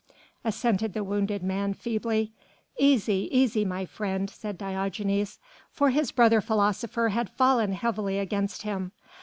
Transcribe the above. assented the wounded man feebly. "Easy! easy, my friend," said Diogenes, for his brother philosopher had fallen heavily against him.